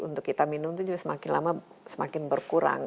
untuk kita minum itu juga semakin lama semakin berkurang